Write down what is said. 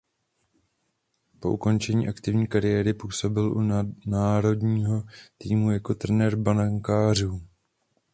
Po ukončení aktivní kariéry působil u národního týmu jako trenér brankářů.